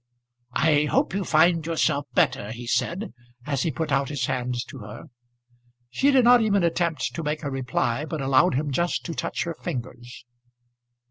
"I hope you find yourself better," he said, as he put out his hand to her. She did not even attempt to make a reply, but allowed him just to touch her fingers.